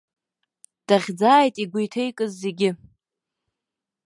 Дахьӡааит игәы иҭеикыз зегьы.